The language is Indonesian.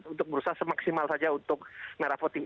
untuk berusaha semaksimal saja untuk merah voting